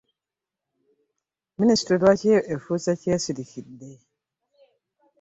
Minisitule lwaki ate efuuse kyesirikidde?